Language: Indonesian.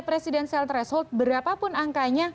presidential threshold berapapun angkanya